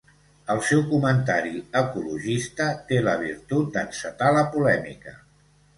El seu comentari ecologista té la virtut d'encetar la polèmica.